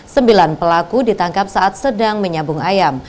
sembilan pelaku ditangkap saat sedang menyabung ayam